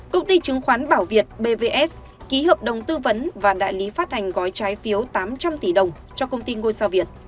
công ty chứng khoán bảo việt bvs ký hợp đồng tư vấn và đại lý phát hành gói trái phiếu tám trăm linh tỷ đồng cho công ty ngôi sao việt